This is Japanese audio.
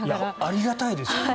ありがたいですよね。